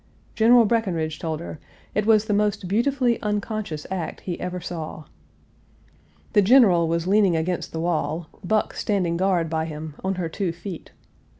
General Breckinridge told her "it was the most beautifully unconscious act he ever saw." The General was leaning against the wall, Buck standing guard by him "on her two feet."